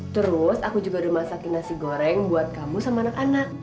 terus aku juga udah masakin nasi goreng buat kamu sama anak anak